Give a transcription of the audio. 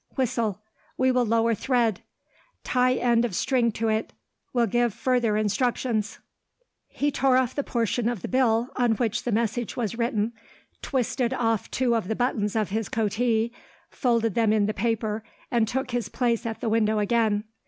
Whistle. We will lower thread. Tie end of string to it. Will give further instructions. He tore off the portion of the bill on which the message was written, twisted off two of the buttons of his coatee, folded them in the paper, and took his place at the window again.